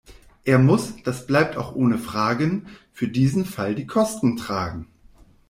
Er muss, das bleibt auch ohne Fragen, für diesen Fall die Kosten tragen.